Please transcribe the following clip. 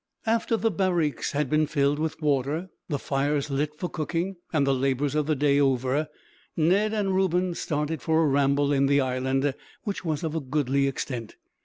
After the barriques had been filled with water, the fires lit for cooking, and the labors of the day over, Ned and Reuben started for a ramble in the island, which was of a goodly extent.